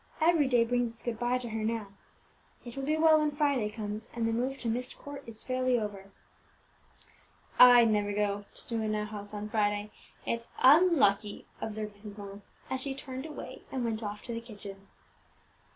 every day brings its good bye to her now. It will be well when Friday comes, and the move to Myst Court is fairly over." "I'd never go into a new house on a Friday; it's unlucky," observed Mrs. Mullins, as she turned away and went off to the kitchen.